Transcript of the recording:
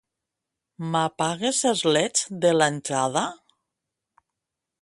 M'apagues els leds de l'entrada?